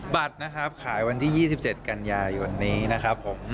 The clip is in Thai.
บัตรนะครับขายวันที่๒๗กันยายนผม